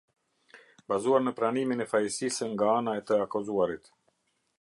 Bazuar në pranimin e fajësisë nga ana e të akuzuarit.